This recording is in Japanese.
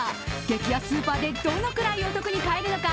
激安スーパーでどのくらいお得に買えるのか。